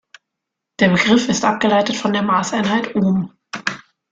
Der Begriff ist abgeleitet von der Maßeinheit Ohm.